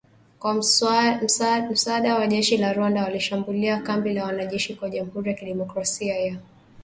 Kwa msaada wa jeshi la Rwanda, walishambulia kambi la Wanajeshi wa Jamhuri ya Kidemokrasia ya Kongo za Tchanzu na Runyonyi.